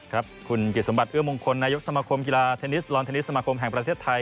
ครับคุณกิจสมบัติเอื้อมงคลนายกสมคมกีฬาเทนนิสลอนเทนนิสสมาคมแห่งประเทศไทย